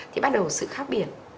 thì bắt đầu sự khác biệt